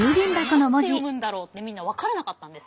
これ何て読むんだろうってみんな分からなかったんです。